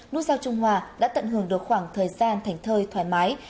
nút giao trung hòa đã tận hưởng được khoảng thời gian thảnh thơi thoải mái